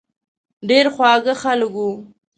ډېر خواږه خلک وو.